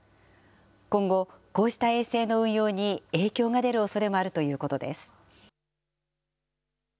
今後、こうした衛星の運用に影響が出るおそれもあるということです。